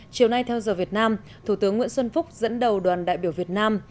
chiều nay theo giờ việt nam thủ tướng nguyễn xuân phúc dẫn đầu đoàn đại biểu việt nam